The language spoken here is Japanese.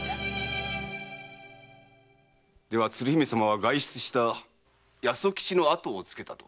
では鶴姫様は外出した八十吉のあとをつけたと？